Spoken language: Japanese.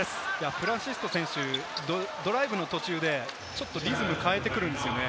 フランシスコ選手、ドライブの途中でちょっとリズムを変えてくるんですよね。